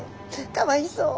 かわいそう。